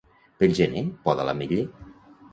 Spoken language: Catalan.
Pel gener poda l'ametller.